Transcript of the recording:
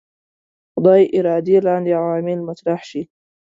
خدای ارادې لاندې عوامل مطرح شي.